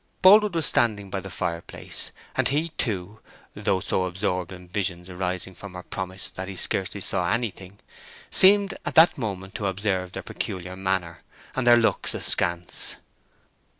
Boldwood was standing by the fireplace, and he, too, though so absorbed in visions arising from her promise that he scarcely saw anything, seemed at that moment to have observed their peculiar manner, and their looks askance.